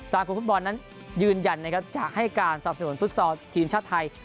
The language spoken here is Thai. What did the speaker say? คมฟุตบอลนั้นยืนยันนะครับจะให้การสนับสนุนฟุตซอลทีมชาติไทย